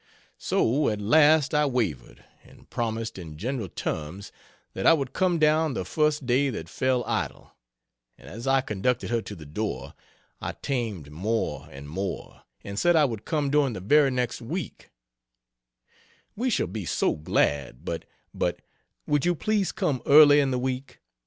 So at last I wavered, and promised in general terms that I would come down the first day that fell idle and as I conducted her to the door, I tamed more and more, and said I would come during the very next week "We shall be so glad but but, would you please come early in the week?